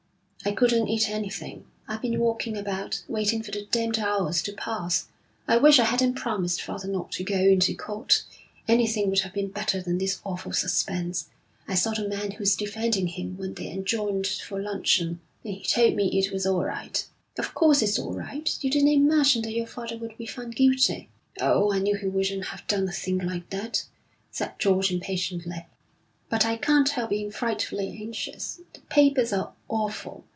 'I couldn't eat anything. I've been walking about, waiting for the damned hours to pass. I wish I hadn't promised father not to go into court. Anything would have been better than this awful suspense. I saw the man who's defending him when they adjourned for luncheon, and he told me it was all right.' 'Of course it's all right. You didn't imagine that your father would be found guilty.' 'Oh, I knew he wouldn't have done a thing like that,' said George impatiently. 'But I can't help being frightfully anxious. The papers are awful.